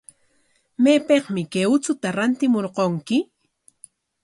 ¿Maypikmi kay uchuta rantimurqunki?